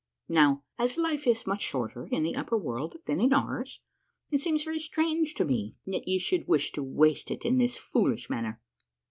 Now, as life is much shorter in the upper world than in ours, it seems very strange to me that ye should wish to waste it in this foolish manner.